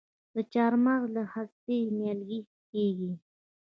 د چهارمغز له خستې نیالګی کیږي؟